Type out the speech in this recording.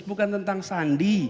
bukan tentang sandi